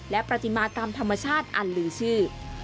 และปฏิมากรรมธรรมชาติอันลือชื่อ